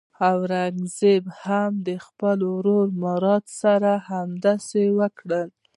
اورنګزېب هم د خپل ورور مراد سره همداسې وکړ.